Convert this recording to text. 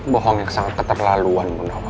bohong yang sangat keterlaluan